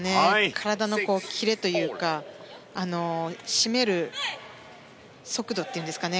体のキレというか締める速度っていうんですかね